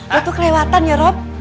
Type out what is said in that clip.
waktu kelewatan ya rob